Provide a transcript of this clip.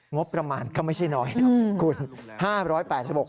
งบประมาณก็ไม่ใช่น้อยนะคุณ